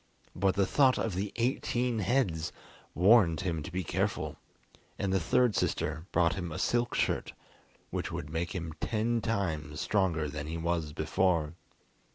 But the thought of the eighteen heads warned him to be careful, and the third sister brought him a silk shirt which would make him ten times stronger than he was before.